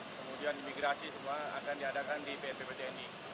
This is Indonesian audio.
kemudian imigrasi semua akan diadakan di bpp tni